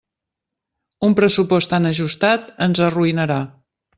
Un pressupost tan ajustat ens arruïnarà.